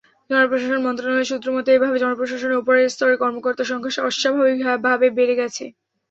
জনপ্রশাসন মন্ত্রণালয়ের সূত্রমতে, এভাবে জনপ্রশাসনে ওপরের স্তরে কর্মকর্তার সংখ্যা অস্বাভাবিকভাবে বেড়ে গেছে।